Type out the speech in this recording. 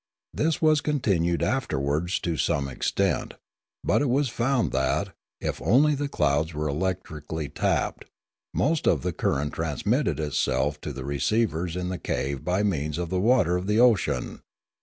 This was con tinued afterwards to some extent; but it was found that, if only the clouds were electrically tapped, most of the current transmitted itself to the receivers in the cave by means of the water of the ocean.